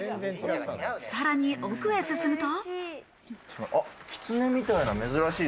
さらに奥へ進むと。